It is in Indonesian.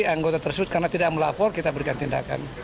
jadi anggota tersebut karena tidak melapor kita berikan tindakan